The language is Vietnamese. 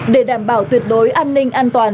để đảm bảo tuyệt đối an ninh an toàn